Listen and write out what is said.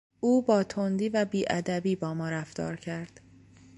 او با تندی و بیادبی با ما رفتار کرد.